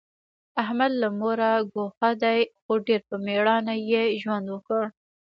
احمد له موره ګوښی دی، خو ډېر په مېړانه یې ژوند وکړ.